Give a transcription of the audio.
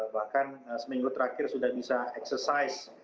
bahkan seminggu terakhir sudah bisa eksersis